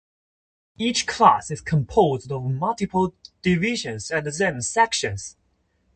Each class is composed of multiple divisions and then sections.